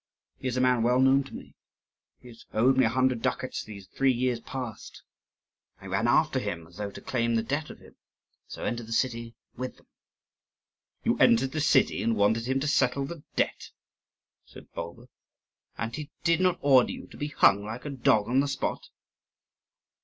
He is a man well known to me; he has owed me a hundred ducats these three years past. I ran after him, as though to claim the debt of him, and so entered the city with them." "You entered the city, and wanted him to settle the debt!" said Bulba; "and he did not order you to be hung like a dog on the spot?"